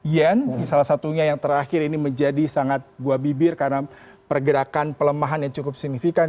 yen salah satunya yang terakhir ini menjadi sangat buah bibir karena pergerakan pelemahan yang cukup signifikan